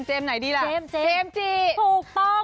เจมส์ไหนดีล่ะเจมส์ถูกต้อง